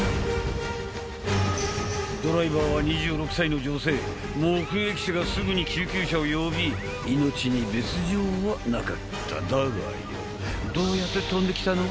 ドライバーは２６歳の女性目撃者がすぐに救急車を呼び命に別状はなかっただがどうやって飛んできたの？